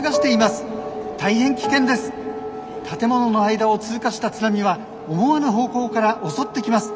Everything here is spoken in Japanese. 建物の間を通過した津波は思わぬ方向から襲ってきます。